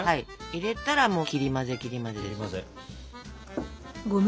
入れたらもう切り混ぜ切り混ぜですよ。